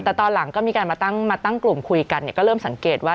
แต่ตอนหลังก็มีการมาตั้งกลุ่มคุยกันก็เริ่มสังเกตว่า